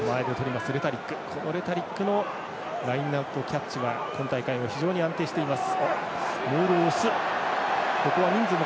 レタリックのラインアウトキャッチは今大会も非常に安定しています。